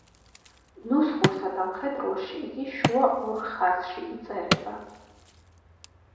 ნუსხურსა და მხედრულში იგი შუა ორ ხაზში იწერება.